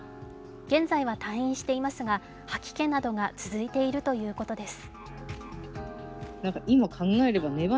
現在は退院していますが、吐き気などが続いているということです。